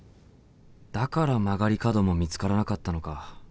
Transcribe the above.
だから曲がり角も見つからなかったのか。